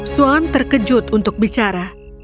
swan terkejut untuk bicara